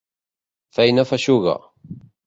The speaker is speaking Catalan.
Feina feixuga.